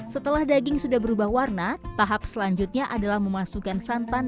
setelah daging sudah berubah warna tahap selanjutnya adalah memasukkan santan